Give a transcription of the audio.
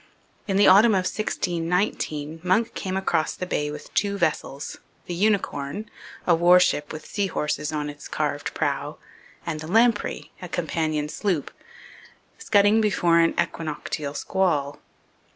In the autumn of 1619 Munck came across the Bay with two vessels the UNICORN, a warship with sea horses on its carved prow, and the LAMPREY, a companion sloop scudding before an equinoctial squall.